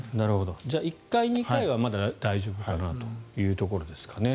じゃあ１回、２回はまだ大丈夫かなというところですかね。